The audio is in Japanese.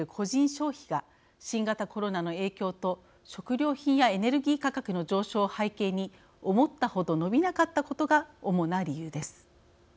消費が新型コロナの影響と食料品やエネルギー価格の上昇を背景に思ったほど伸びなかったことが主な理由です。